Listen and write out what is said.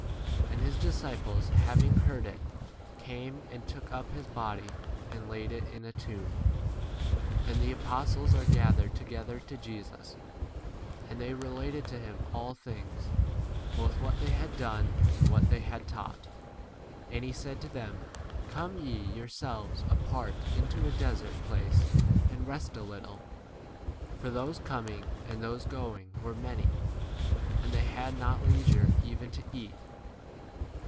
And his disciples having heard [it], came and took up his body, and laid it in a tomb. 30 And the apostles are gathered together to Jesus. And they re lated to him all things, both what they had done and what they had 31 taught. And he said to them, Come ye yourselves apart into a desert place and rest a little. For those coming and those going were many, and they had not lei 32 sure even to eat.